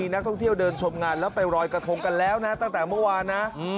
นักท่องเที่ยวเดินชมงานแล้วไปรอยกระทงกันแล้วนะตั้งแต่เมื่อวานนะ